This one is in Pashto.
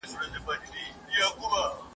موږ پخپله ګناه کاریو ګیله نسته له شیطانه ..